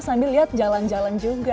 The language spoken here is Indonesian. sambil lihat jalan jalan juga